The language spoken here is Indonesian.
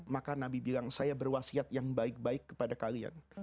maka nabi bilang saya berwasiat yang baik baik kepada kalian